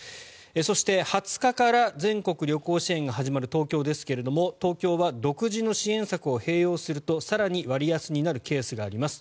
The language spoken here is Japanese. そして、２０日から全国旅行支援が始まる東京ですが東京は独自の支援策を併用すると更に割安になるケースがあります。